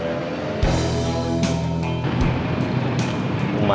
yang sudah kita terima